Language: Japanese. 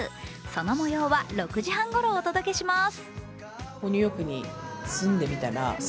その模様は６時半ごろお届けします